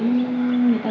ừ bên này thì không